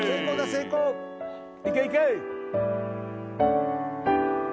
成功いけいけ